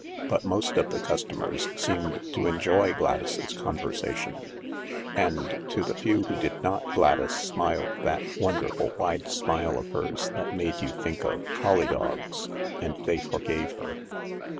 But most of the customers seemed to enjoy Gladys's conversation, and to the few who did not Gladys smiled that wonderful wide smile of hers that made you think of collie dogs, and they forgave her.